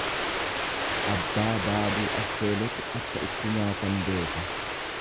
Abbaa baaduu affeeletu akka itti nyaatan beeka.